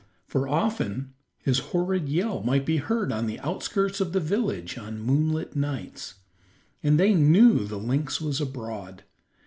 For often his horrid yell might be heard on the outskirts of the village on moonlight nights, and they knew the lynx was abroad.